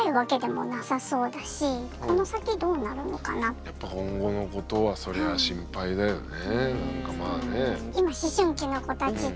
本人がやっぱ今後のことはそりゃあ心配だよね。